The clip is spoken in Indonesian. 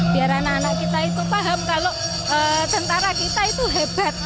biar anak anak kita itu paham kalau tentara kita itu hebat